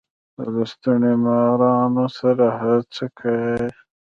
د لستوڼو مارانو سره څه کئ.